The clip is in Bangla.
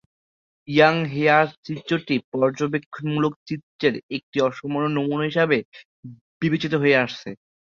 ইয়াং হেয়ার চিত্রটি পর্যবেক্ষণমূলক চিত্রের একটি অসামান্য নমুনা হিসেবে বিবেচিত হয়ে আসছে।